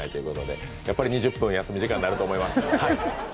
やはり２０分、休み時間になると思います。